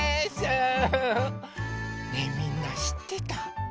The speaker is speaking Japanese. ねえみんなしってた？